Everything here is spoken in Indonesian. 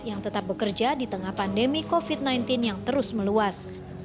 yang tetap bekerja di tengah pandemi covid sembilan belas yang terus meluas